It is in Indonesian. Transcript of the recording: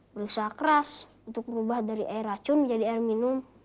berusaha keras untuk berubah dari air racun menjadi air minum